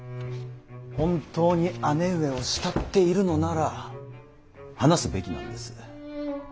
本当に姉上を慕っているのなら話すべきなんです。